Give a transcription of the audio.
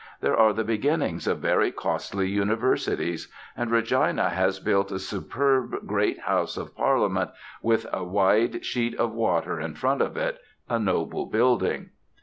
There are the beginnings of very costly Universities; and Regina has built a superb great House of Parliament, with a wide sheet of water in front of it, a noble building.